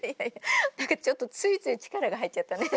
何かちょっとついつい力が入っちゃったね。